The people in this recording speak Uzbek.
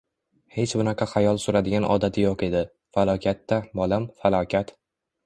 Hech bunaqa xayol suradigan odati yoʻq edi, falokat-da, bolam, falokat.